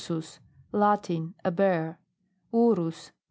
URSUS Latin. A bear. URUS.